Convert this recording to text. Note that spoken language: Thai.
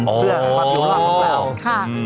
เรื่องความอยู่ร่วมหรือเปล่า